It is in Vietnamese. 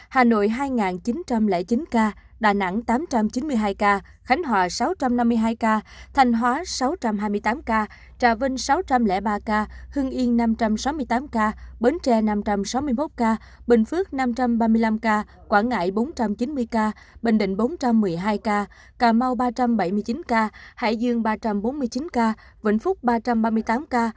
hà nội hai chín trăm linh chín ca đà nẵng tám trăm chín mươi hai ca khánh hòa sáu trăm năm mươi hai ca thành hóa sáu trăm hai mươi tám ca trà vinh sáu trăm linh ba ca hương yên năm trăm sáu mươi tám ca bến tre năm trăm sáu mươi một ca bình phước năm trăm ba mươi năm ca quảng ngại bốn trăm chín mươi ca bình định bốn trăm một mươi hai ca cà mau ba trăm bảy mươi chín ca hải dương ba trăm bốn mươi chín ca vĩnh phúc ba trăm ba mươi tám ca